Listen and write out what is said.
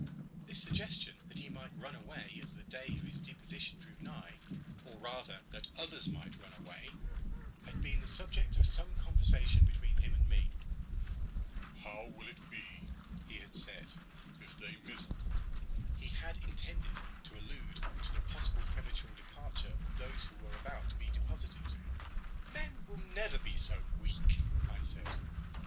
This suggestion that he might run away as the day of his deposition drew nigh, or rather, that others might run away, had been the subject of some conversation between him and me. "How will it be," he had said, "if they mizzle?" He had intended to allude to the possible premature departure of those who were about to be deposited. "Men will never be so weak," I said.